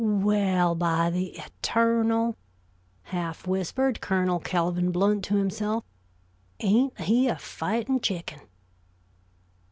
"Well, by the eternal," half whispered Colonel Calvin Blount to himself. "Ain't he a fightin' chicken?"